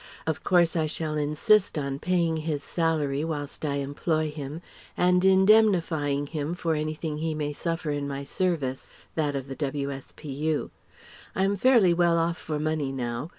Of course I shall insist on paying his salary whilst I employ him, and indemnifying him for anything he may suffer in my service that of the W.S.P.U. I am fairly well off for money now.